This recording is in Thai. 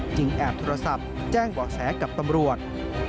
แอบโทรศัพท์แจ้งเบาะแสกับตำรวจ